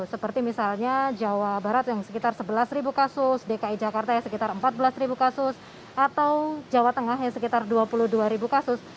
seperti misalnya jawa barat yang sekitar sebelas kasus dki jakarta ya sekitar empat belas kasus atau jawa tengah yang sekitar dua puluh dua ribu kasus